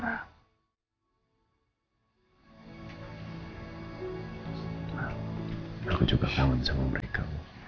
aku juga kangen sama mereka